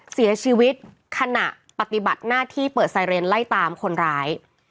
เสียชีวิตขณะปฏิบัติหน้าที่เปิดไซเรนไล่ตามคนร้าย